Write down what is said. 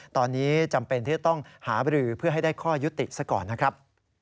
ตอนนี้จำเป็นที่จะต้องหาบรือเพื่อให้ได้ข้อยุติซะก่อนนะครับ